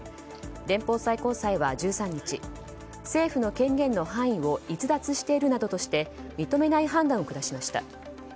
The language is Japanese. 連邦最高裁は１３日政府の権限の範囲を逸脱しているなどとして認めない判断を下しました。